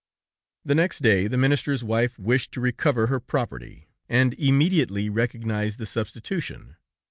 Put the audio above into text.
"The next day, the minister's wife wished to recover her property, and immediately recognized the substitution.